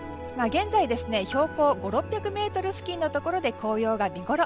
現在、標高５００６００ｍ付近のところで紅葉が見ごろ。